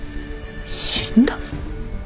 死んだ！？